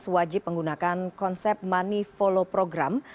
wajib menggunakan konsep money follow program